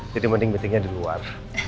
jadi mending meetingnya di luar